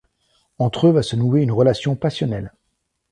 Entre eux va se nouer une relation passionnelle.